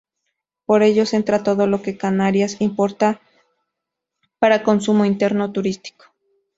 Por ellos entra todo lo que Canarias importa para consumo interno turístico.